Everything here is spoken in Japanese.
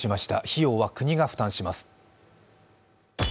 費用は国が負担します。